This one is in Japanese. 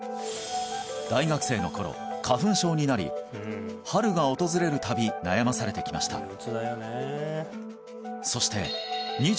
大学生の頃花粉症になり春が訪れるたび悩まされてきました